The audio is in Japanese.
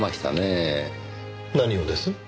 何をです？